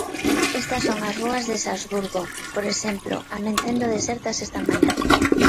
Estas son as rúas de Salzburgo, por exemplo, amencendo desertas esta mañá.